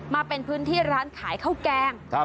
มาเป็นพื้นที่ร้านขายข้าวแกง